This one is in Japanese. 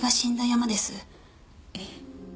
えっ？